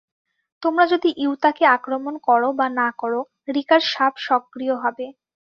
তোমরা যদি ইউতাকে আক্রমণ করো বা না করো, রিকার শাপ সক্রিয় হবে।